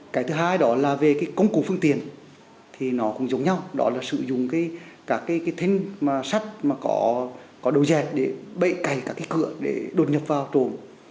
cái thứ hai đó là về công cụ phương tiện thì nó cũng giống nhau đó là sử dụng các cái thên sắt mà có đồ dẹp để bậy cày các cái cửa để đột nhập vào trộm